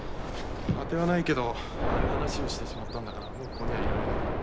当てはないけどああいう話をしてしまったんだからもうここにはいられないよ。